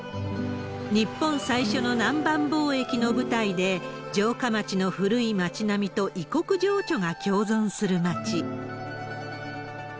日本最初の南蛮貿易の舞台で、城下町の古い町並みと異国情緒が共存する町。